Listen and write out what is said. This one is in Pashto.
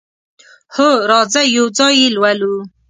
هو، راځئ یو ځای یی لولو